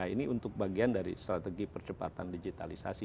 ini untuk bagian dari strategi percepatan digitalisasi